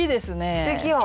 すてきやん。